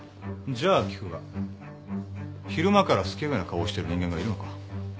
じゃあ聞くが昼間からスケベな顔をしてる人間がいるのか？